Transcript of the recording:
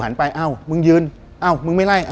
หันไปมึงยืนมึงไม่ไล่